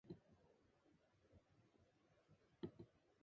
One evening the rock went to sleep in the Seorak area.